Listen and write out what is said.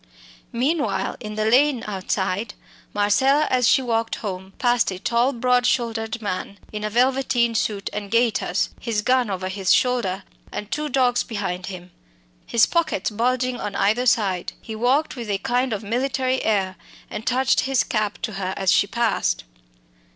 Meanwhile, in the lane outside, Marcella, as she walked home, passed a tall broad shouldered man in a velveteen suit and gaiters, his gun over his shoulder and two dogs behind him, his pockets bulging on either side. He walked with a kind of military air, and touched his cap to her as he passed.